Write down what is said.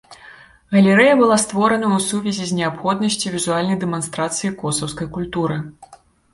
Галерэя была створана ў сувязі з неабходнасцю візуальнай дэманстрацыі косаўскай культуры.